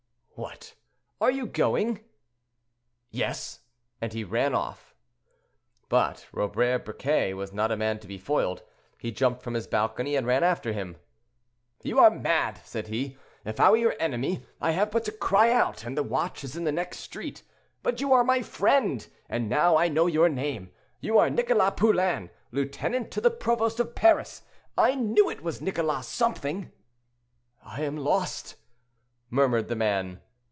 "What! are you going?" "Yes!" and he ran off. But Robert Briquet was not a man to be foiled; he jumped from his balcony and ran after him. "You are mad!" said he. "If I were your enemy, I have but to cry out, and the watch is in the next street; but you are my friend, and now I know your name. You are Nicholas Poulain, lieutenant to the provost of Paris. I knew it was Nicholas something." "I am lost!" murmured the man.